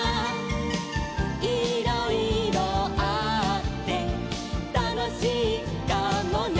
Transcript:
「いろいろあってたのしいかもね」